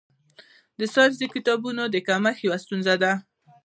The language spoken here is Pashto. د ساینسي کتابونو کمښت یوه ستونزه ده.